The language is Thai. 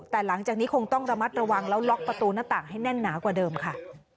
แต่หลังจากนี้คงต้องระมัดระวังแล้วล็อกประตูหน้าต่างให้แน่นหนากว่าเดิมค่ะ